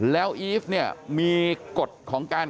แล้วอีฟเนี่ยมีกฎของการ